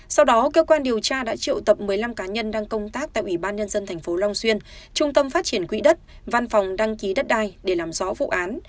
sau đó cơ quan điều tra đã triệu tập một mươi năm cá nhân đang công tác tại ubnd tp long xuyên trung tâm phát triển quỹ đất văn phòng đăng ký đất đai để làm rõ vụ án